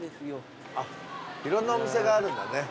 あっいろんなお店があるんだね。